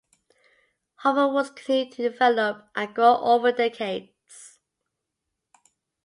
Harper Woods continued to develop and grow over the decades.